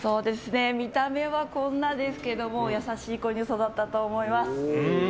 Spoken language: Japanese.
見た目はこんなですけども優しい子に育ったと思います。